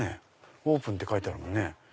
オープンって書いてあるもんね。